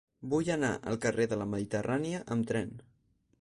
Vull anar al carrer de la Mediterrània amb tren.